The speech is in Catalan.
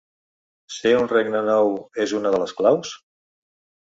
Ser un regne nou és una de les claus?